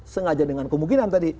sengaja dengan kemungkinan tadi